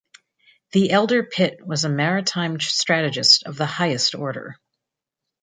The elder Pitt was a maritime strategist of the highest order.